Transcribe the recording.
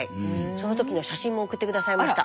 その時の写真も送って下さいました。